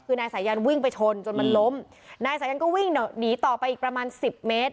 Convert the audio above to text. คือนายสายันวิ่งไปชนจนมันล้มนายสายันก็วิ่งหนีต่อไปอีกประมาณสิบเมตร